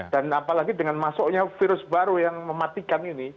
dan apalagi dengan masuknya virus baru yang mematikan ini